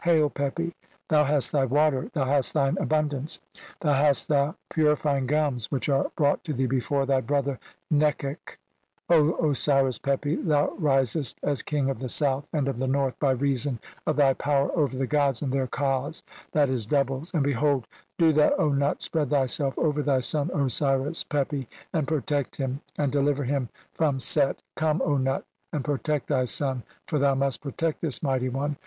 Hail, Pepi, (47) "thou hast thy water, thou hast thine abundance, thou CXXXVI INTRODUCTION. "hast thy purifying gums which are brought to thee "before thy brother Nekhekh." "0 Osiris Pepi, thou risest as king of the South "and of the North by reason of thy power over the "gods and their Kas (i. e., doubles), and, behold, do "thou, O Nut, spread thyself over thy son Osiris "Pepi, and protect him, and deliver (62) him from "Set. Come, Nut, and protect thy son, for thou "must protect this mighty one.